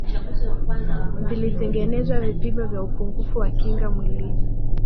vilitengenezwa vipimo vya upungufu wa kinga mwilini